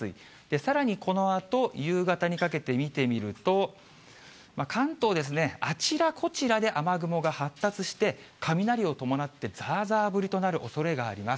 さらにこのあと、夕方にかけて見てみると、関東ですね、あちらこちらで雨雲が発達して、雷を伴ってざーざー降りとなるおそれがあります。